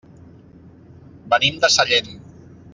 Venim de Sallent.